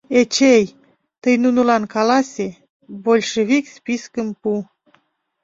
Эчей, тый нунылан каласе, большевик спискым пу.